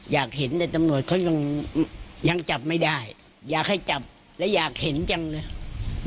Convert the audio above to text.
อยากเห็นแต่ตำรวจเขายังยังจับไม่ได้อยากให้จับและอยากเห็นจังเลย